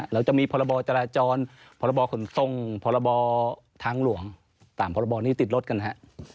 แล้วจะมีพรจรจรพรขนทรงพรทางหลวงตามพรนี้ติดรถกันฮะ